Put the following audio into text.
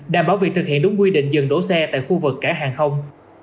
đảm bảo việc thực hiện đúng quy định dừng đổ xe tại khu vực cảng hàng không